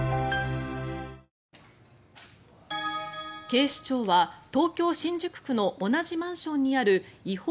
警視庁は東京・新宿区の同じマンションにある違法